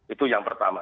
itu yang pertama